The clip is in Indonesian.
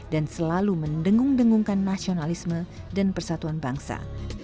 dan selalu mendengung dengungkan nasionalisme dan persatuan bangsa